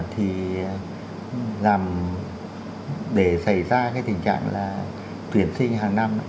thì để xảy ra cái tình trạng là tuyển sinh hàng năm